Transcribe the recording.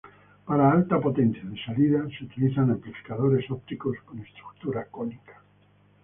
Para alta potencia de salida, se utilizan amplificadores ópticos con estructura cónica.